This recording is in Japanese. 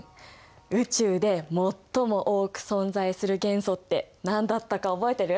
宇宙でもっとも多く存在する元素って何だったか覚えてる？